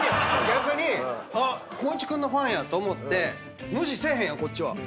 逆にあっ光一君のファンやと思って無視せえへんやんこっちは。